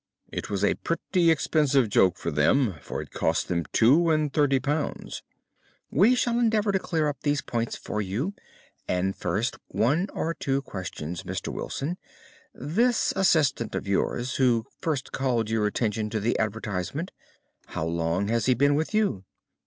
It was a pretty expensive joke for them, for it cost them two and thirty pounds." "We shall endeavour to clear up these points for you. And, first, one or two questions, Mr. Wilson. This assistant of yours who first called your attention to the advertisement—how long had he been with you?"